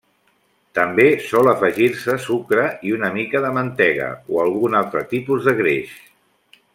També sol afegir-se sucre i una mica de mantega o algun altre tipus de greix.